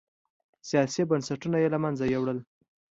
سیاسي بنسټونه یې له منځه یووړل.